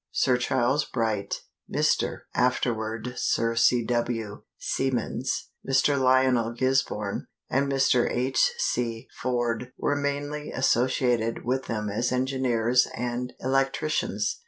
Sir Charles Bright, Mr. (afterward Sir C. W.) Siemens, Mr. Lionel Gisborne, and Mr. H. C. Forde were mainly associated with them as engineers and electricians.